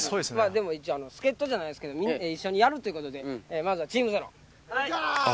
一応助っ人じゃないですけど一緒にやるっていうことでまずはチームＺＥＲＯ。